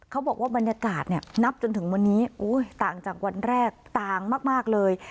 เขาบอกว่าบรรยากาศเนี่ยนับจนถึงวันนี้ต่างจากวันแรกต่างมากเลย